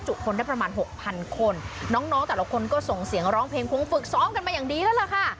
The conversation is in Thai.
คนได้ประมาณหกพันคนน้องน้องแต่ละคนก็ส่งเสียงร้องเพลงคงฝึกซ้อมกันมาอย่างดีแล้วล่ะค่ะ